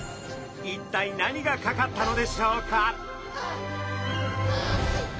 一体何がかかったのでしょうか？